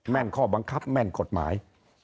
แม่นข้อบังคับแม่นกฎหมาย